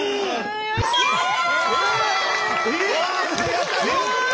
やった！